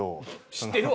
知ってるわ！